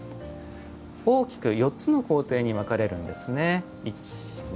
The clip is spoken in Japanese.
大きく４つの工程に分かれるんですね。